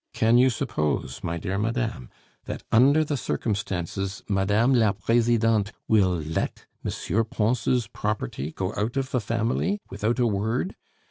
Can you suppose, my dear madame, that under the circumstances Mme. la Presidente will let M. Pons' property go out of the family without a word?